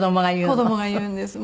子どもが言うんです。